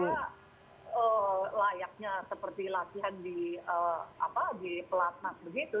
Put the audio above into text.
kalau di asrama mereka layaknya seperti latihan di pelatnat begitu